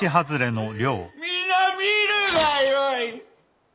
皆見るがよい！